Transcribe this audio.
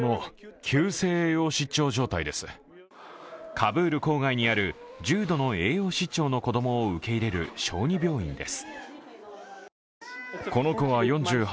カブール郊外にある重度の栄養失調の子供を受け入れる小児病院です。